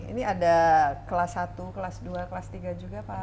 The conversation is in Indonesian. ini ada kelas satu kelas dua kelas tiga juga pak